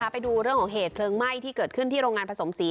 ไปดูเรื่องของเหตุเพลิงไหม้ที่เกิดขึ้นที่โรงงานผสมสี